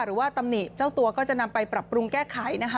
ตำหนิเจ้าตัวก็จะนำไปปรับปรุงแก้ไขนะคะ